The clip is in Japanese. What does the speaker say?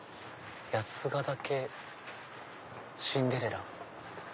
「八ヶ岳シンデレラ」。